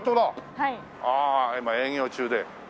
ああ今営業中で。